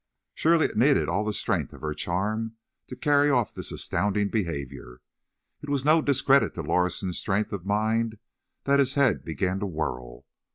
Surely it needed all the strength of her charm to carry off this astounding behaviour. It was no discredit to Lorison's strength of mind that his head began to whirl.